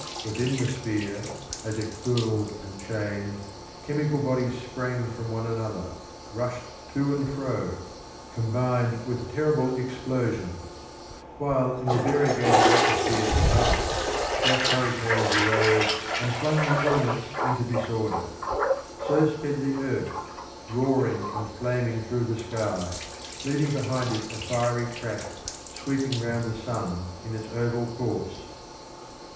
Within the sphere, as it cooled and changed, chemical bodies sprang from one another, rushed to and fro, combined with terrible explosions; while in the variegated atmosphere above, gas hurricanes arose and flung the elements into disorder. So sped the earth, roaring and flaming through the sky, leaving behind it a fiery track, sweeping round the sun in its oval course.